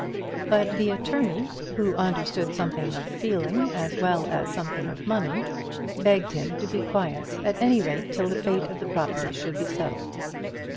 But the attorney, who understood something of feeling as well as something of money, begged him to be quiet at any rate till the fate of the property should be settled.